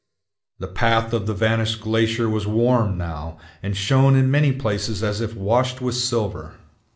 The path of the vanished glacier was warm now, and shone in many places as if washed with silver.